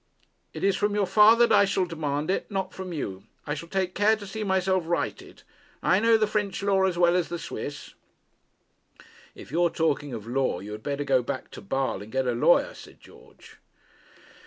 It is from your father that I shall demand it, not from you. I shall take care to see myself righted. I know the French law as well as the Swiss.' 'If you're talking of law, you had better go back to Basle and get a lawyer,' said George.